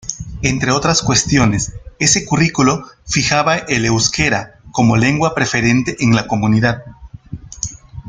Entre otras cuestiones, ese currículo fijaba el euskera como lengua preferente en la comunidad.